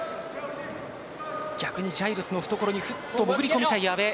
逆にジャイルスの懐に潜り込みたい阿部。